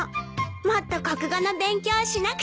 もっと国語の勉強しなくちゃ。